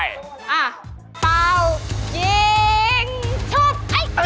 อ้าเปล่ายิงชุบ